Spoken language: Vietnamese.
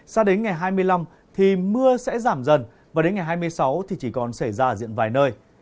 sao đến ngày hai mươi năm thì mưa sẽ giảm dần và đến ngày hai mươi sáu thì chỉ còn xảy ra ở diện vài nơi